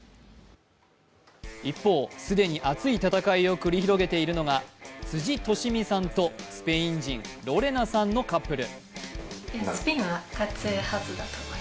一方、既に熱い戦いを繰り広げているのが辻利親さんとスペイン人、ロレナさんのカップル。